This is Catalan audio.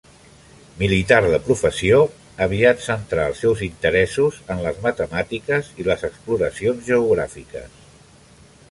Militar de professió, aviat centrà els seus interessos en les matemàtiques i les exploracions geogràfiques.